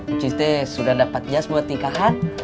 uci sudah dapat jas buat nikahan